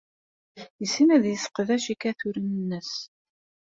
Yessen ad yesseqdec iketturen-nnes.